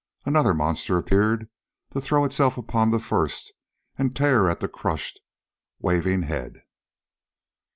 Another monster appeared, to throw itself upon the first and tear at the crushed, waving head.